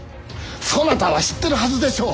そなたは知ってるはずでしょう！